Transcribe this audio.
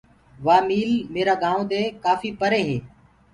وآ ميٚل ميرآ گائونٚ دي ڪآڦي پري هي۔